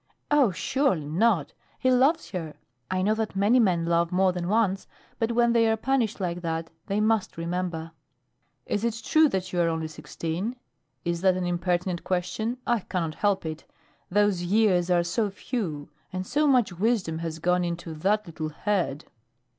"Oh, surely not! He loves her. I know that many men love more than once, but when they are punished like that, they must remember." "Is it true that you are only sixteen? Is that an impertinent question? I cannot help it. Those years are so few, and so much wisdom has gone into that little head."